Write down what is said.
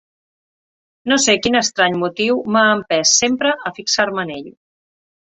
No sé quin estrany motiu m'ha empès sempre a fixar-me en ell.